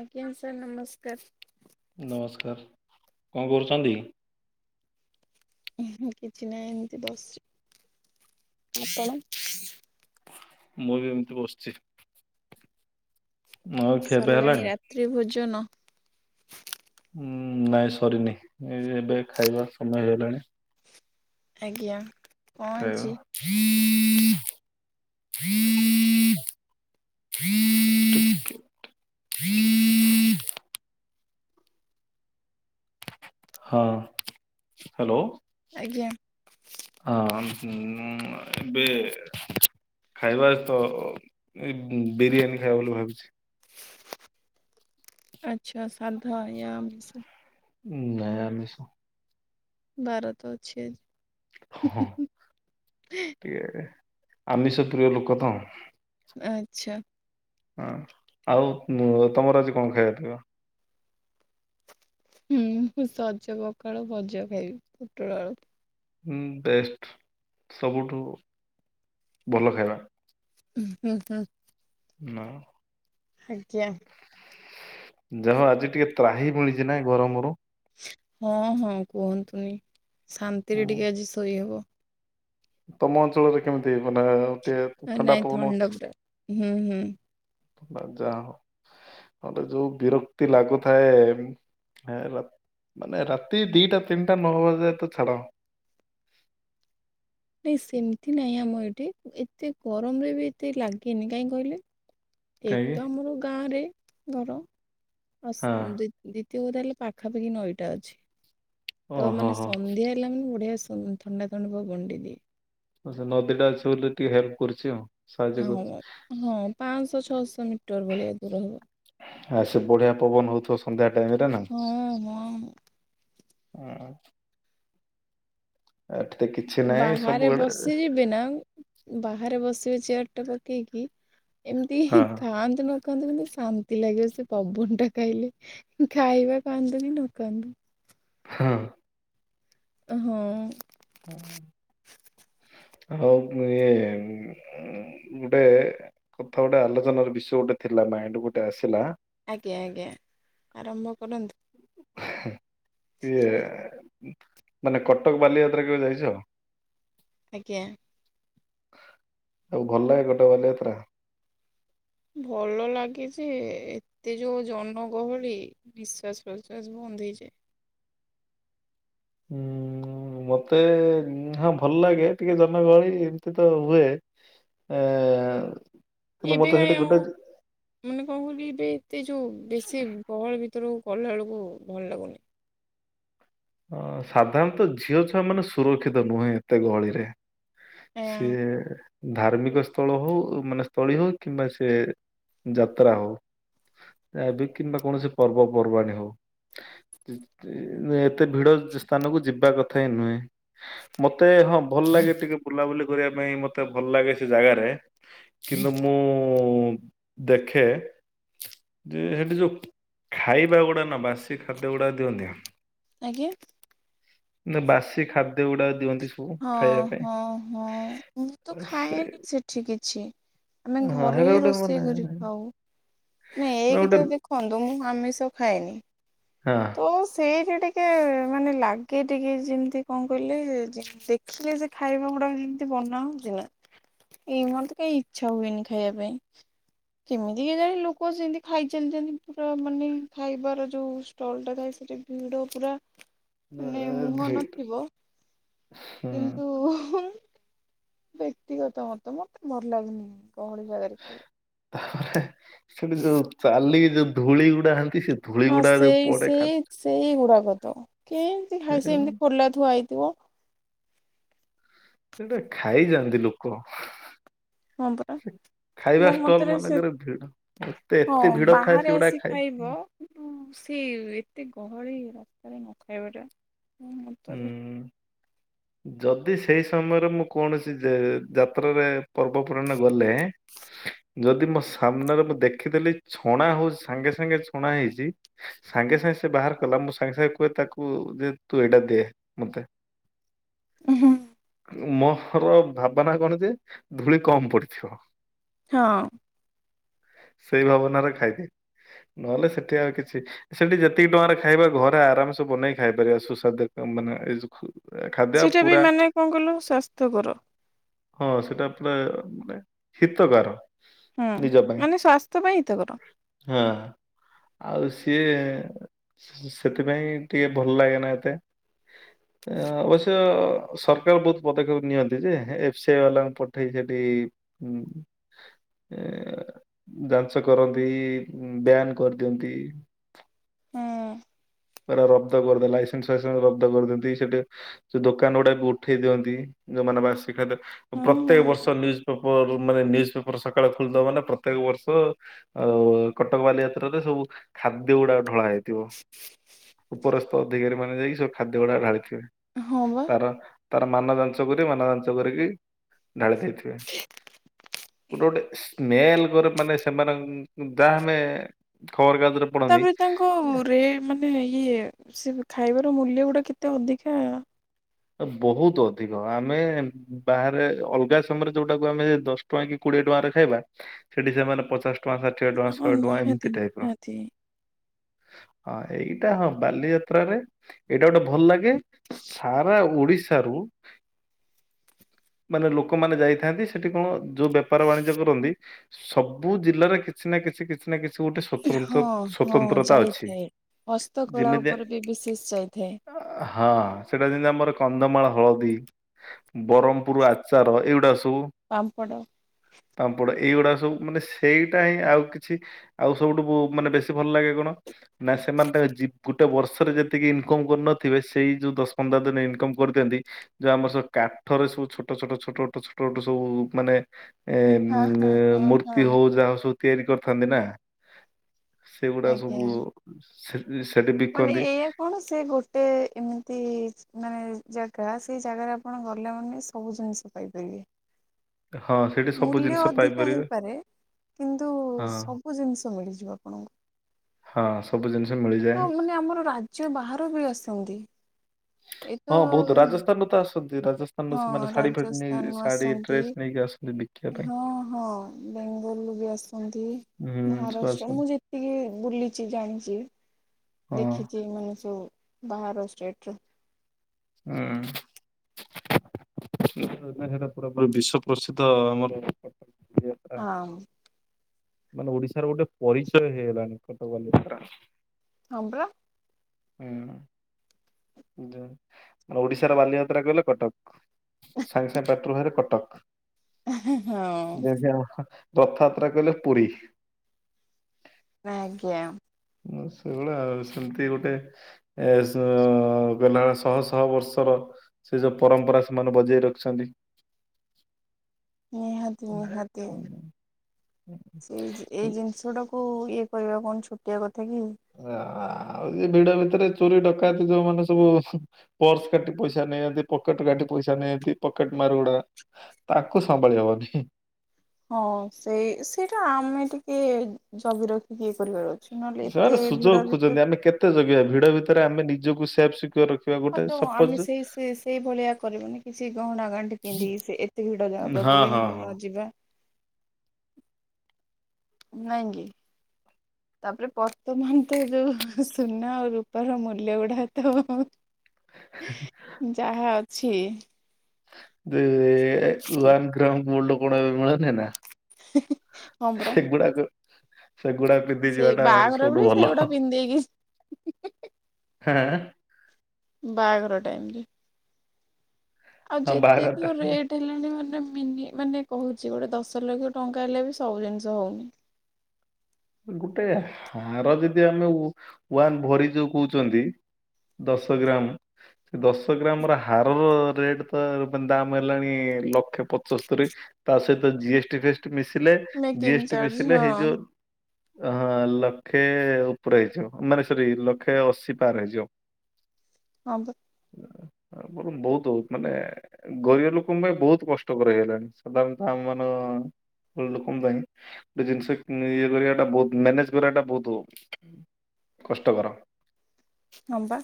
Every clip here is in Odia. ଆଜ୍ଞା ସାର୍ ନମସ୍କାର। ନମସ୍କାର କଣ କରୁଚନ୍ତି। କିଛି ନାହିଁ ଏମିତି ବସିଚି ଆପଣ ମୁଁ ବି ଏମିତି ବସିଚି। ଖିଆପିଆ ସରିଲାଣି ହେଲାଣି? ରାତ୍ରି ଭୋଜନ। ଉଁ ନାଇଁ ସରିନି ଏବେ ଖାଇବା ସମୟ ହେଇଗଲାଣି। ଆଜ୍ଞା। କଣ ଅଛି ଖାଇବା। ହଁ ହ୍ୟାଲୋ। ଆଜ୍ଞା। ହଁ ହୁ ଏବେ ଖାଇବା ତ ବିରିୟାନୀ ଖାଇବା ବୋଲି ଭାବିଚି। ଆଚ୍ଛା ସାଧା ବା ଆମିଷ। ନାଇଁ ଆମିଶ। ବାର ତ ଅଛି ଆଜି। ହଁ ଇଏରେ ଆମିଷ ପ୍ରିୟ ଲୋକ ତ। ଆଚ୍ଛା। ହଁ ଆଉ ତମର ଆଜି କଣ ଖାଇବା ପିବା। ହୁଁ ସଜ ପକାଳ ଭଜା ଖାଇବି ପୋଟଳ ଆଳୁ। ହୁଁ ବେଷ୍ଟ ସବୁଠୁ ଭଲ ଖାଇବା। ହଁ ହ ହ ନା। ଆଜ୍ଞା। ଯାହା ହୋଉ ଆଜି ଟିକେ ତ୍ରାହି ମିଳିଚି ନାଇଁ ଗରମରୁ। ହଁ ହଁ କୁହନ୍ତୁନି ଶାନ୍ତିରେ ଉଁ, ଟିକେ ଆଜି ଶୋଇହବ। ତମ ଅଞ୍ଚଳରେ କେମିତି ମାନେ ଗୋଟେ ଆ ନାଇ ଥଣ୍ଡା ପୁରା ହୁଁ ହୁଁ। ତ ଯାହା ହଉ ମତେ ଯୋଉ ବିରକ୍ତି ଲାଗୁଥାଏ ମାନେ ରାତି ଦିଟା ତିନିଟା ନଅ ହବାଯାଁ ତ ଛାଡ ନାଇଁ ସେମିତି ନାହିଁ ଆମ ଏଠି ଏତେ ଗରମରେ ବି ଏତେ ଲାଗେନି କାହିଁ କହିଲେ ଏକ କାହିଁକି ତ ଆମର ଗାଁରେ ଘର ହଁ [unintelligible] [unintelligible] ତାହେଲେ ପାଖାପାଖି ନଈଟା ଅଛି ତ ଓହୋ ମାନେ ହୋ ସନ୍ଧ୍ୟା ପିଲା ମାନେ ବଢିଆ ଥଣ୍ଡା ଥଣ୍ଡା ପବନଟେଦିଏ। ସେ ନଦୀ ଟା ଅଛି ବୋଲି ଟିକେ ହେଲ୍ପ କରୁଚି ଆଉ। ସାହାଯ୍ୟ କରୁ ହଁ ହଁ ପାଞ୍ଚଶହ ଛଅଶହ ମିଟର ଭଳିଆ ଦୂର ହବ। ଆ ସେ ବଢିଆ ପବନ ହଉଥିବ ସନ୍ଧ୍ୟା ଟାଇମ ରେ ନା। ହଁ ହଁ ହୁଁ। ଆଠ ତ କି ବାହାରେ ବସିଯିବେ ନା ବାହାରେ ବସିବେ ଚେୟାର ଟା ପକେଇକି ଏମିତି ହଁ ଖାଆନ୍ତୁନ କନ୍ତୁ କିନ୍ତୁ ଶାନ୍ତି ଲାଗିବ ସେ ପବନ ଟା ଖାଇଲେ ଖାଇବା ଖାଆନ୍ତୁ କି ନ ଖାଆନ୍ତୁ। ହଁ। ହଁ ହଁ ଆଉ ଇଏ [unintelligible] ଉ -ଗୋଟେ କଥା ଗୋଟେ ଆଲୋଚନାର ବିଷୟ ଗୋଟେ ଥିଲା ମାଇଣ୍ଡି ଗୋଟେ ଆସିଲା ଆଜ୍ଞା ଆଜ୍ଞା ଆରମ୍ଭ କରନ୍ତୁ ହେଁ ଇଏ ମାନେ କଟକ ବାଲିଯାତ୍ରା କେବେ ଯାଇଛ? ଆଜ୍ଞା ଆଉ ଭଲେ ଲାଗେ ଗୋଟେ ଗଲେ ଏଥାରା ଭଲ ଲାଗେଜେ ଏତେ ଯୋଉ ଜନଗହଳି ନିଶ୍ଵାସ ପ୍ରଶ୍ୱାସ ବନ୍ଦ ହେଇଯାଏ ହୁଁ ମତେ ଉ -ହଁ ଭଲ ଲାଗେ ଟିକେ ଜନଗହଳି ଏମିତି ତ ହୁଏ ଆ ଏବେ କାଇଁ ଆଉ ମାନେ କଣ କିଲ ଏବେ ଏତେ ଯୋଉ ବେଶୀ ଗହଳ ଭିତରୁକୁ ଗଲା ବେଳକୁ ଭଲ ଲାଗୁନି ଅ ସାଧାରଣତଃ ଝିଅ ଛୁଆ ମାନେ ସୁରକ୍ଷିତ ନୁହେଁ ଏତେ ଗହଳିରେ ଆଁ, ସିଏ ଧାର୍ମିକ ସ୍ଥଳ ହଉ ମାନେ ସ୍ଥଳୀ ହଉ କିମ୍ବା ସେ ଯାତ୍ରା ହଉ ଏବେ କିମ୍ବା କୌଣସି ପର୍ବପର୍ବାଣି ହଉ ଏତେ ଭିଡ଼ ଜ -ସ୍ଥାନକୁ ଯିବା କଥା ହିଁ ନୁହେଁ ମତେ ହଁ ଭଲ ଲାଗେ ଟିକେ ବୁଲାବୁଲି କରିବା ପାଇଁ ମତେ ଭଲ ଲାଗେ ସେ ଜାଗାରେ କିନ୍ତୁ ମୁଁ ଦେଖେ ଯେ ସେଠି ଯୋଉ ଖାଇବା ଗୁଡା ନା ବାସି ଖାଦ୍ୟ ଗୁଡାକ ଦିଅନ୍ତି ଆ ଆଜ୍ଞା ନା ବାସି ଖାଦ୍ୟ ଗୁଡା ଦିଅନ୍ତି ଶୁ ହଁ ହଁ ହଁ ମୁଁ ତ ସେ ଖାଏନି ସେଠି କିଛି ଆମେ ହଁ ଘରେ ହେରା ହିଁ ଗୋଟେ ମାନେ ରୋଷେଇ ହେରା କରିକି ଖାଉ ନାଇଁ ଏଇକି ଗୋଟେ ତ ଯଦି ଦେଖନ୍ତୁ ମୁଁ ଆମିଷ ଖାଏନି ହଁ ତୋଶ୍ ସେଇଠୀ ଟିକେ ମାନେ ଲାଗେ ଟିକେ ଯେମିତି କଣ କହିଲେ ଦେଖିଲେ ସେ ଖାଇବା ଗୁଡାକ ଯେମିତି ବନା ହଉଛି ନା ଏଇ ମାନ୍ ତ କାଇ ଇଚ୍ଛା ହୁଏନି ଖାଇବା ପାଇଁ କେମିତି କି ଜାଣି ଲୋକ ସେମିତି ଖାଇଚାଲିଛନ୍ତି ପୁରା ମାନେ ଖାଇବାର ଯୋଉ ଷ୍ଟଲ ଟା ଥାଏ ସେଠି ଭିଡ ପୁରା ନା ମାନେ ମୁହଁ ଘେଟ୍ ନଥିବ [unintelligible] କିନ୍ତୁ। ହୁ ମୁଁ ବ୍ୟକ୍ତିଗତ ମତ ମତେ ଭଲ ଲାଗେନି ଗହଳି ଜାଗାରେ ଖେଳି ତାପରେ ସେଠି ଯୋଉ ଚାଲିକି ଯୋଉ ଧୂଳି ଗୁଡା ହନ୍ତି ସେ ଧୂଳି ହଁ ଗୁଡା ଯୋଉ ସେଇ ପଡେ ଖା ସେଇ ସେଇ ଗୁଡ଼ାକତ କେମିତି ଖାଇସି ସେଗୁଡା ଏମିତି ପୋଲା ଥୁଆ ହେଇଥିବ ସେଟା ଖାଇଯାଆନ୍ତି ଲୋକ ହଁ ପରା ଖାଇବା ମୋ ଷ୍ଟଲ ମତରେ ସେ ମାନଙ୍କରେ ଭିଡ ଏତେ ହଁ ଏତେ ଭିଡ ଥାଏ ବାହାରେ ସେଗୁଡା ଆସି ଖାଇ ଖାଇବ ସେଇ ଏତେ ଗହଳି ରାସ୍ତାରେ ନ ଖାଇବାଟା ମୋ ମନ୍ତ ରେ ହୁଁ ଯଦି ସେଇ ସମୟରେ ମୁଁ କୌଣସି ଯେ -ଯାତ୍ରାରେ ପର୍ବ ପର୍ବାଣୀ ରେ ଗଲେ ଯଦି ମୋ ସାମ୍ନାରେ ମୁଁ ଦେଖିଦେଲି ଛଣା ହଉଛି ସାଙ୍ଗେ ସାଙ୍ଗେ ଛୁଣା ହେଇଛି ସାଙ୍ଗେ ସାଙ୍ଗେ ସେ ବାହାର କଲା ମୁଁ ସାଙ୍ଗେ ସାଙ୍ଗେ କୁହେ ତାକୁ ଯେ ତୁ ଏଇଟା ଦେ ମତେ ମ ର ଭାବାନା କଣ ଯେ ଧୂଳି କମ ପଡିଥିବ ହଁ ସେଇ ଭାବନାରେ ଖାଇଦିଏ। ନହେଲେ ସେଠି ଆଉ କିଛି ସେଠି ଯେତିକି ଟଙ୍କାରେ ଖାଇବା ଘରେ ଆରାମସେ ବନେଇକ ଖାଇପାରିବା ସୁସ୍ୱାଦୁ କ ମାନେ ଏଜଉ ଖୁ ଖାଦ୍ୟ ସେଇଟା ବି ପୁରା ମାନେ କଣ କହିଲ ସ୍ୱାସ୍ଥ୍ୟକର। ହଁ ସେଟା ପୁରା ମାନେ ହିତକାର। ହୁଁ ନିଜ ପାଇଁ ମାନେ ସ୍ୱାସ୍ଥ୍ୟ ପାଇଁ ହିତକାର। ହଁ। ଆଉ ସିଏ ସେ ସେଥିପାଇଁ ଟିକେ ଭଲ ଲାଗେନା ଏତେ। ଅଁ ଅବସ୍ୟ ସରକାର ବହୁତ ପଦକ୍ଷେପ ନିଅନ୍ତି ଯେ ଏଫସିଆଇ ବାଲାଙ୍କୁ ପଠେଇ ସେଠି ଉଁ ଏ ଯାଞ୍ଚ କରନ୍ତି ବ୍ୟାନ୍ କରିଦିଅନ୍ତି। ହଁ। ପୁରା ରବ୍ଦ କରିଦେଲା ଲାଇସେନ୍ସ ଫାଇସେନ୍ସ ରବ୍ଦ କରିଥାନ୍ତି ସେଠି। ସେଇ ଦୋକାନ ଗୁଡାକୁ ଉଠେଇ ଦିଅନ୍ତି ଯୋଉମାନେ ବାସିକ ଦା ହୁଁ ହୁଁ ପ୍ରତ୍ୟେକ ବର୍ଷ ନିଉ ପ୍ରବଳ ଯଉ ମାନେ ନ୍ୟୁଜ୍ ପେପର ସକାଳେ ଖୋଲିଦବ ମାନେ ପ୍ରତ୍ୟେକ ବର୍ଷ ଆଉ କଟକ ବାଲି ଯାତ୍ରାରେ ସବୁ ଖାଦ୍ୟ ଗୁଡାକ ଢଳା ହେଇଥିବ। ଉପରସ୍ତ ଅଧିକାରୀ ମାନେ ଯାଇକି ସେ ଖାଦ୍ୟ ଗୁଡାକ ଢାଳିଥିବେ ହଁ ବା ତାର ତାର ମାନ ଯାଞ୍ଚ କରି ମାନ ଯାଞ୍ଚ କରିକି ଢାଳି ଦେଇଥିବେ। ଗୋଟେ ଗୋଟେ ସ୍ମେଲ କରେ ମାନେ ସେମାନଂ ଯାହାନେ ଖବର କାଗଜରେ ପଢନ୍ତି ତାପରେ ତାଙ୍କ ରେ ମାନେ ଇଏ ସେ ଖାଇବାର ମୂଲ୍ୟ ଗୁଡା କେତେ ଅଧିକା। ବହୁତ ଅଧିକ ଆମେ ବାହାରେ ଅଲଗା ସମୟରେ ଯୋଉଟାକୁ ଆମେ ଦଶ ଟଙ୍କା କି କୋଡିଏ ଟଙ୍କାରେ ଖାଇବା ସେଠି ସେମାନେ ପଚାଶ ଟଙ୍କା ଷାଠିଏ ଟଙ୍କା ହଁ ଶହେ ଟଙ୍କା ନିହାତି ଏମିତି ଟାଇପ ର। ନିହାତି। ହଁ ଏଇଟା ହଁ ବାଲିଯାତ୍ରରେ ଏଇଟା ଗୋଟେ ଭଲ ଲାଗେ ସା ସାରା ଓଡିଶାରୁ ମାନେ ଲୋକମାନେ ଯାଇଥାନ୍ତି ସେଠି କଣ ଯୋଉ ବେପାର ବାଣିଜ୍ୟ କରନ୍ତି ସବୁ ଜିଲ୍ଲାର କିଛି ନା କିଛି କିଛି କି କିଛି ନା କିଛି ଗୋଟେ ସ୍ଵତନ୍ତ୍ର ହଁ ହଁ ସ୍ଵତନ୍ତ୍ରତା ଅଛି। ଯାଇଥାଏ। ହସ୍ତକଳା ଉପରେ ବି ବିଶେଷ ଯାଇଥାଏ। ଅ ହଁ ସେଠ ଏଟା ଯେମିତି ଆମର କନ୍ଧମାଳ ହଳଦୀ ବରମପୁର୍ ଆଚାର ଏଇଗୁଡ଼ା ସବୁ ପାମ୍ପଡ଼ ପାମ୍ପଡ଼ ଏଇଗୁଡ଼ା ସବୁ ମାନେ ସେଇଟା ହିଁ ଆଉ କିଛି ଆଉ ସବୁଠୁ ବୁ ମାନେ ବେଶୀ ଭଲ ଲାଗେ କଣ? ନା ସେମାନେ ତାଙ୍କ ଜିବ ଗୋଟେ ବର୍ଷରେ ଯେତିକି ଇନକମ କରୁନଥିବେ ସେଇ ଯୋଉ ଦଶ ପନ୍ଦର ଦିନେ ଇନକମ୍ କରି ଦିଅନ୍ତି। ଯଉ ଆମର ସବୁ କାଠର ସବୁ ଛୋଟ ଛୋଟ ଛୋଟ ଛୋଟ ଛୋଟ ଛଟ ସବୁ ମାନେ ହଁ ଏଁ ଉଁ ହଁ ଆଁ ହଁ ମୂର୍ତ୍ତି ହଁ ହଉ ଯାହା ହଉ ସବୁ ତିଆରି କରିଥାନ୍ତି ନା? ସେଗୁଡା ଆଜ୍ଞା ସବୁ ସେ ସେଠି ମାନେ ବିକନ୍ତି। ଏଇଆ କଣ ସେ ଗୋଟେ ଏମିତି ମାନେ ଜାଗା ସେଇ ଜାଗାରେ ଆପଣ ଗଲା ମାନ ସବୁ ଜିନିଷ ପାଇ ପାରିବେ। ହଁ ସେଠି ସବୁ ମୂଲ୍ୟ ଜିନିଷ ଅଧିକା ପାଇପାରିବେ ହେଇପାରେ କିନ୍ତୁ ହଁ ସବୁ ସବୁ ଜିନିଷ ମିଳିଯିବ ଆପଣଙ୍କୁ। ହଁ ସବୁ ଜିନିଷ ମିଳିଯା ତ ମାନେ ଆମର ରାଜ୍ୟ ବାହାରୁ ବି ଆସନ୍ତି। ଏଇତ ହଁ ବହୁତ ରାଜସ୍ଥାନରୁ ତ ଆସନ୍ତି ରାଜ ହଁ ରାଜସ୍ଥାନରୁୁ ଆସନ୍ତି ଡ୍ରେସ୍ ନେଇକି ଆସନ୍ତି ବିକିବା ପାଇଁ। ହଁ ହଁ ବେଙ୍ଗଲରୁୁ ବି ଆସ ଆସନ୍ତି ହୁଁ ସବୁ ମହାରାଷ୍ଟ୍ର ଆସନ୍ତି ମୁଁ ଯେତିକି ବୁଲିଛି ଜାଣିଛି। ହଁ। ଦେଖିଛି ମାନେ ସବୁ ବାହାର ଷ୍ଟେଟ ର। ହୁଁ। [unintelligible] ସେଟା ପୁରା ବିଶ୍ଵ ପ୍ରସିଦ୍ଧ ଆମର କଟକ ବାଲି ହଁ। ମାନେ ଓଡିଶାର ଗୋଟେ ପରିଚୟ ହେଇଗଲାଣି କଟକ ବାଲିଯାତ୍ରା। ହଁ ପରା ହୁଁ ମ ଓଡିଶାର ବାଲିଯାତ୍ରା କହିଲେ କଟକ। ସାଙ୍ଗେ ସାଙ୍ଗେ ପାଟିରୁ ବାହାରିବ କଟକ। ହଁ ଯେମିତି କଥା ରଥଯାତ୍ରା କାହିଲେ ପୁରୀ। ଆଜ୍ଞା। ହ ସେଇଭଳିଆ ଆଉ ସେମିତି ଗୋଟେ ଏ ସ ଅଗନା ଶହ ଶହ ବର୍ଷର ସେ ଯୋଉ ପରମ୍ପରା ସେମାନେ ବଜେଇ ରଖିଛନ୍ତି। ନିହାତି ନିହାତି ଆଉ ସେଇ ଯେ ଏଇ ଜିନିଷ ଟାକୁ ଇଏ କରିବା କଣ ଛୋଟିଆ କଥା କି? ଆଉ ଯେ ଭିଡ ଭିତରେ ଚୋରି ଡକାୟତି ଯୋଉମାନେ ସବୁ ପର୍ସ କାଟି ପଇସା ନେଇଯାଆନ୍ତି ପକେଟ କାଟି ପଇସା ନିହାନ୍ତି ପକେଟ ମାରଗୁଡା। ତାକୁ ସମ୍ଭାଳି ହବନି। ହଁ ସେଇ ସେଇଟା ଆମେ ଟିକେ ଜଗି ରଖି ଏ କରିବାର ଅଛ। ସାର୍ ସୁଯୋଗ ଖୋଜନ୍ତି ଆମେ କେତେ ଜଗିବା ଭିଡ ଭିତରେ ଆମେ ନିଜକୁ ସେଫ୍ ସିକୋର ରଖିବା। ହଁ ଗୋଟେ ତ ସପୋଜ ଆମେ ସେଇ ସେ ସେଇ ଭଳିଆ କରିବୁନି କିଛି ଗହଣା ଗାଣ୍ଡିି ପିନ୍ଧିକି ସେ ଏ ଭିଡ ହଁ ଜାଗାକୁ ବି ହଁ ହଁ। ନ ଯିବା ନାଇକି? ତାପରେ ବର୍ତ୍ତମାନ ତ ଯୋଉ ସୁନା ଆଉ ରୂପାର ମୂଲ୍ୟ ଗୁଡା ତ ଯାହା ଅଛି। ଯେ ୱାନ ଗ୍ରାମ ଗୋଲ୍ଡ କଣ ଏବେ ମିଳୁନି ନା? ହଁ ପରା ସେଗୁଡାକ ସେଗୁଡା ପିନ୍ଧି ଯିବାଟା ସବୁଠୁ ଭଲ। ଦେଗିସ୍। ହାଁ ବାଘର ଟାଇମରେ ଆଉ ହଁ ଯେତେ ବାହାଘରଟା ତୁ ରେଟ ହେଲାଣି ମାନେ ମିନି ମାନେ କହୁଛି ଗୋଟେ ଦଶ ଲକ୍ଷ ଟଙ୍କା ହେଲେ ବି ସବୁ ଜିନିଷ ହେଉନି। ଗୁଟେ ହାର ଯଦି ଆମେ ୱାନ୍ ଭରି ଯୋଉ କହୁଛନ୍ତି ଦଶ ଗ୍ରାମ ସେ ଦଶ ଗ୍ରାମ ର ହାରର ରେଟ୍ ତ ଦାମ ହେଲାଣି ଲକ୍ଷେ ପଚସ୍ତରୀ। ତା ସହିତ ଜିଏଷ୍ଟି ଫିଏଷ୍ଟୀ ମିଶିଲେ ମେକିଂ ଯିଏଷ୍ଟି ଟି ଚାର୍ଜ ମିଶିଲେ ହଁ ହେଇ ଯୋଉ ଅ ହଁ ଲକ୍ଷେ ଉପରେ ହେଇଯିବ ମାନେ ସରି ଲକ୍ଷେ ଅଶୀ ପାର ହେଇଯିବ। ହଁ ପା। ବ ବହୁତ ମାନେ ଗରିବ ଲୋକଙ୍କ ପାଇଁ ବହୁତ କଷ୍ଟକର ହେଇଲାଣି ସାଧାରଣତଃ ଆମ ମାନ ଭଲ ଲୋକମ ପାଇଁ ଗୋଟେ ଜିନିଷ ଇଏ କରିବା ଟା ବହୁ ମ୍ୟାନେଜ କରିବାଟା ବହୁତ କଷ୍ଟକର। ହଁ ବା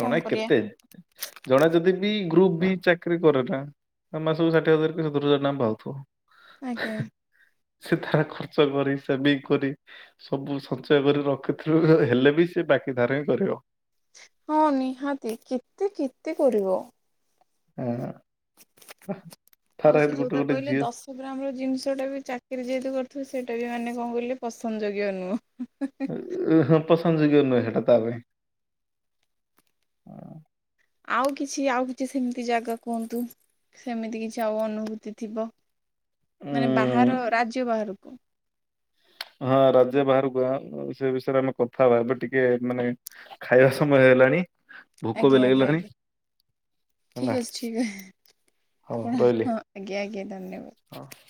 କଣ କରିବା? କେତେ ଜଣେ ଯଦି ବି ଗ୍ରୁପ ବି ଚାକିରି କରେ ନା ମାସକୁ ଷାଠିଏ ହଜାର ସତୁର ହଜାର ଟଙ୍କା ଆଜ୍ଞା ପାଉଥିବ। ସେ ତାର ଖର୍ଚ୍ଚ କରିି ସେ ବି କରି ସବୁ ସଞ୍ଚୟ କରି ରଖିଥିଲେ ବି ହେଲେ ବି ସେ ବାକି ଧାରା ହିଁ କରିବ। ହଁ ନିହାତି କେତେ କେତେ କରିବ। ହଁ ଥରେ ହେଲେ ଗୋଟେ ଗୋଟେ ଝିଅ ତାପରେ ଆମର ଜିନିଷଟା ବି ଚାକିରି ଯେହେତୁ କରୁଥିବୁ ସେଇଟା ବି ମାନେ କଣ କହିଲେ ପସନ୍ଦଯୋଗ୍ୟ ନୁହଁ। ପସନ୍ଦଯୋଗ୍ୟ ନୁହେ ହେଟା ତା ପାଇଁ। ଆଉ କିଛି ଆଉ କିଛି ସେମିତି ଜାଗା କୁହନ୍ତୁ? ସେମିତି କିଛି ଆଉ ଅନୁଭୂତି ଥିବ ମାନେ ବାହାର ଉଁ ରାଜ୍ୟ ବାହାରକୁ। ହଁ ରାଜ୍ୟ ବାହାରକୁ ଆ ସେ ବିଷୟରେ ଆମେ କଥା ହେବା ଏବେ ଟିକେ ମାନେ ଖାଇବା ସମୟ ହେଇଗଲାଣି ଭୋକ ବି ଲାଗିଲାଣି। ଠିକ୍ ହେଲା ଅଛି ଠିକ୍ ଅ ହଉ ଆପଣ ହଁ ରହିଲି। ଆଜ୍ଞା ଆଜ୍ଞା ଧନ୍ୟବାଦ। ହଁ।